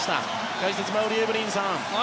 解説の馬瓜エブリンさん。